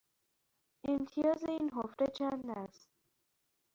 امتیاز این حفره چند است؟